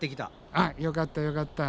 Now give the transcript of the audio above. あっよかったよかった。